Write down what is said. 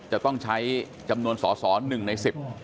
จะต้องใช้จำนวนสอสอ๑ใน๑๐